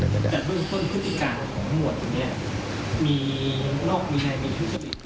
แต่เมื่อเกิดพฤติการณ์ของกรรมรวชอย่างนี้มีนอกมีใดมีทุกสิทธิ์